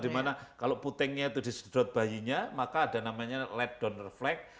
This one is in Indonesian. dimana kalau putengnya itu disedot bayinya maka ada namanya let down reflect